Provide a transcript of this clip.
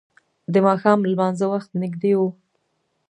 د ماښام لمانځه وخت نږدې و.